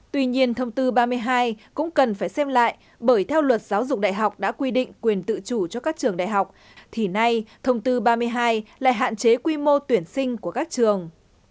tuy nhiên thông tư ba mươi hai cũng cần phải xem lại bởi theo luật giáo dục đại học đã quy định quyền tự chủ cho các trường đại học thì nay thông tư ba mươi hai lại hạn chế quy mô tuyển sinh của các trường